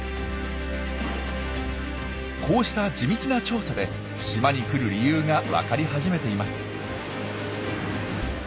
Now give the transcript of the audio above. こうした地道な調査で島に来る理由が分かり始めています。